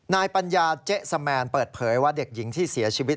ปัญญาเจ๊สแมนเปิดเผยว่าเด็กหญิงที่เสียชีวิต